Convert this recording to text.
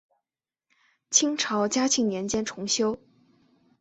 清朝嘉庆年间重修。